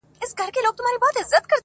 اوس به چيري د زلميو څڼي غورځي!